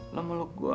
lo meluk gua